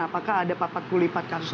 apakah ada papat kulipat kasus